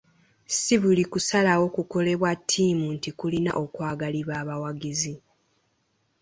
Si buli kusalawo kukolebwa ttiimu nti kulina okwagalibwa abawagizi.